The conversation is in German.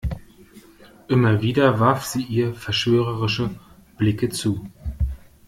Immer wieder warf sie ihr verschwörerische Blicke zu.